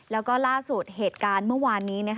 แล้วก็ล่าสุดเหตุการณ์เมื่อวานนี้